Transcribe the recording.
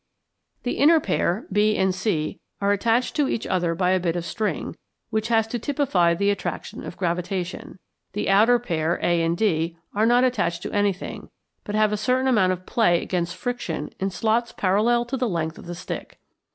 The inner pair, B and C, are attached to each other by a bit of string, which has to typify the attraction of gravitation; the outer pair, A and D, are not attached to anything, but have a certain amount of play against friction in slots parallel to the length of the stick.